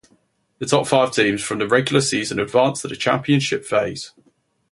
The top five teams from the regular season advanced to the championship phase.